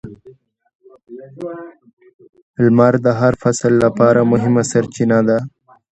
• لمر د هر فصل لپاره مهمه سرچینه ده.